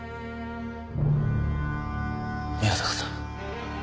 宮坂さん